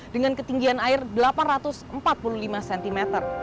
dengan ketinggian air delapan ratus empat puluh lima cm